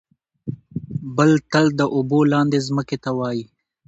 بل تل د اوبو لاندې ځمکې ته وايي.